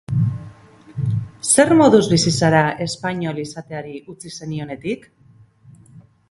Zer moduz bizi zara espainol izateari utzi zenionetik?